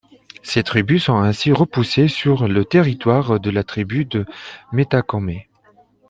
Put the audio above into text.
Ces tribus sont ainsi repoussées sur le territoire de la tribu de Metacomet.